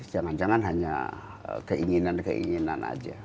jangan jangan hanya keinginan keinginan aja